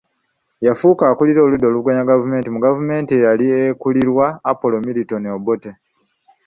Yafuuka akulira oludda oluvuganya gavumenti mu gavumenti eyali ekulirwa Apollo Milton Obote